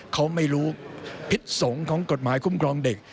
เขาไม่รู้พิษสงฆ์ของกฎหมายคุ้มครองเด็ก